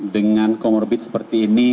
dengan comorbid seperti ini